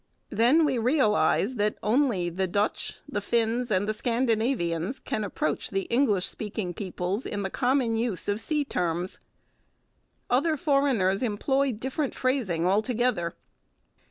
Then we realize that only the Dutch, the Finns, and the Scandinavians can approach the English speaking peoples in the common use of sea terms. Other foreigners employ different phrasing altogether.